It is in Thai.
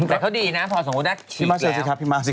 แต่เขาดีนะพอสมมุติชีกแล้ว